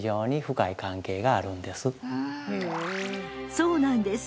そうなんです。